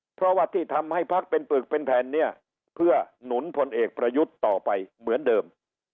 เพราะว่าที่ทำให้พักเป็นปึกเป็นแผ่นเนี่ยเพื่อหนุนพลเอกประยุทธ์ต่อไปเหมือนเดิม